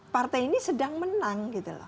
partai ini sedang menang